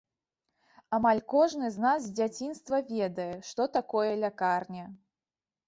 Амаль кожны з нас з дзяцінства ведае, што такое лякарня.